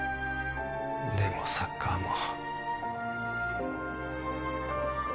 でもサッカーも